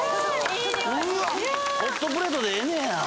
ホットプレートでええねや。